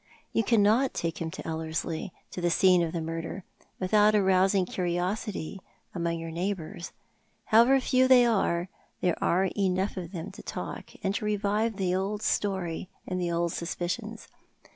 " You cannot take him to Ellerslie, to the scene of the murder, without arousing curiosity among your neighbours. However few they are, there are enough of them to talk, and to revive the old story and the old suspicions.